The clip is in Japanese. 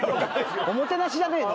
おもてなしじゃねえの？